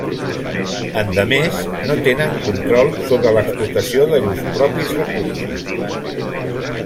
Endemés, no tenen control sobre l'explotació de llurs propis recursos.